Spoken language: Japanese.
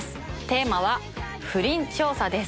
テーマは不倫調査です。